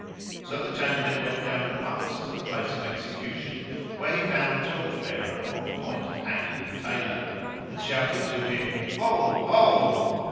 So the Chamberlain went down at once to the place of execution, where he found the torch bearer on the point of hanging the Tailor and shouted to him, "Hold! Hold!"